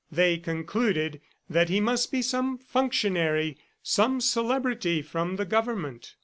They concluded that he must be some functionary, some celebrity from the Government.